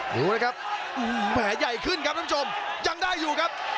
ดูนะครับแหมใหญ่ขึ้นครับท่านผู้ชมยังได้อยู่ครับ